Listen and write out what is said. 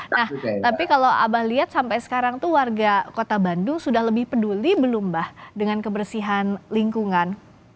nah tapi kalau abah lihat sampai sekarang tuh warga kota bandung sudah lebih peduli belum mbah dengan kebersihan lingkungan